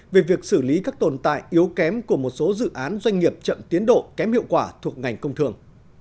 về việc xử lý các tồn tại yếu kém của một số dự án doanh nghiệp chậm tiến độ kém hiệu quả thuộc ngành công thường